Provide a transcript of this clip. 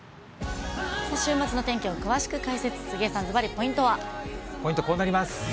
週末の天気を詳しく解説、ポイント、こうなります。